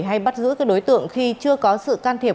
hay bắt giữ các đối tượng khi chưa có sự can thiệp